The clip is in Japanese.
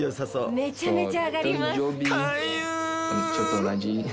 めちゃめちゃ上がります。